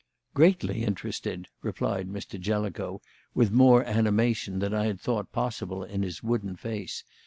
"Greatly interested," replied Mr. Jellicoe, with more animation than I had thought possible in his wooden face.